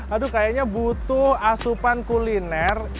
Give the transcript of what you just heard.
aduh kayaknya butuh asupan kuliner